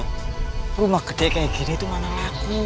rumah gede kayak gini tuh mana laku